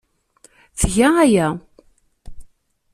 Tga aya.